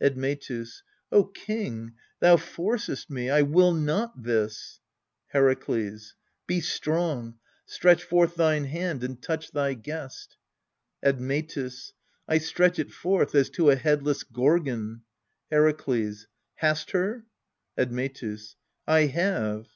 Admetus. O king, thou forcest me : 1 will not this ! Herakles. Be strong: stretch forth thine hand and touch thy guest. Admetus. I stretch it forth, as to a headless Gorgon. Herakles. Hast her ? Admetus. 1 have.